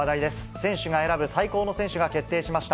選手が選ぶ最高の選手が決定しました。